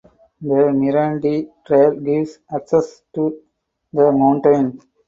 The Mirande trail gives access to the mountain.